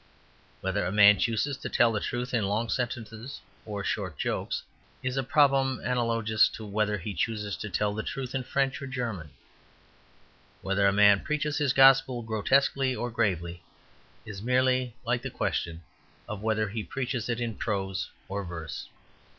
Whether a man chooses to tell the truth in long sentences or short jokes is a problem analogous to whether he chooses to tell the truth in French or German. Whether a man preaches his gospel grotesquely or gravely is merely like the question of whether he preaches it in prose or verse.